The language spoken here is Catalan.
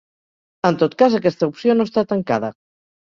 En tot cas, aquesta opció no està tancada.